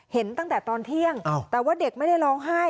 เห็นตั้งแต่ตอนเที่ยงแต่ว่าเด็กไม่ได้ร้องไห้